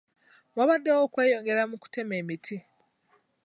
Wabaddewo okweyongera mu kutema emiti.